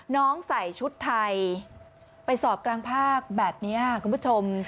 ใส่ชุดไทยไปสอบกลางภาคแบบนี้คุณผู้ชม